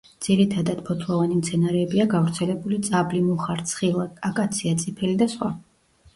ძირითადად ფოთლოვანი მცენარეებია გავრცელებული; წაბლი, მუხა, რცხილა, აკაცია, წიფელი და სხვა.